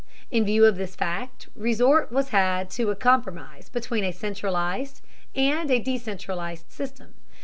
In view of this fact resort was had to a compromise between a centralized and a decentralized system.